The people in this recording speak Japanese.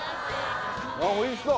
あっおいしそう・